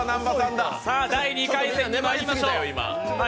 第２回戦まいりましょう。